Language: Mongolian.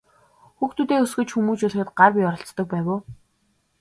Хүүхдүүдээ өсгөж хүмүүжүүлэхэд гар бие оролцдог байв уу?